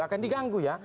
akan diganggu ya